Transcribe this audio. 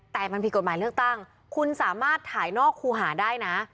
แต่มันผิดกฎหมายเลือกตั้งคุณสามารถถ่ายนอกคูหาได้นะ